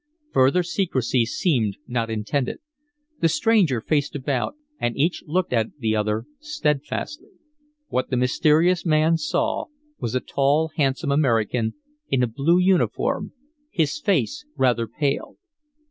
Further secrecy seemed not intended. The stranger faced about and each looked at the other steadfastly. What the mysterious man saw was a tall, handsome American in a blue uniform, his face rather pale.